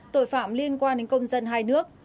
tội phạm liên quan đến công dân hai nước